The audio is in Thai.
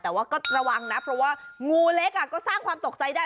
แต่ว่าก็ระวังนะเพราะว่างูเล็กก็สร้างความตกใจได้